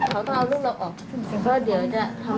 ก็เขาเอาลูกเราออกเพราะเดี๋ยวเขาเสียชื่น